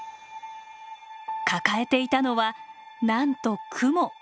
抱えていたのはなんとクモ。